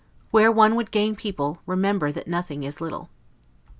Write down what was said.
Where one would gain people, remember that nothing is little.